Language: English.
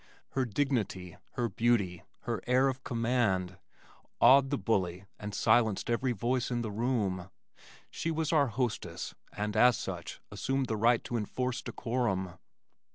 Her dignity, her beauty, her air of command, awed the bully and silenced every voice in the room. She was our hostess and as such assumed the right to enforce decorum.